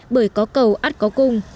bởi có cầu át có cung